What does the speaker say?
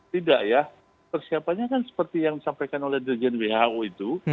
tidak ya persiapannya kan seperti yang disampaikan oleh dirjen who itu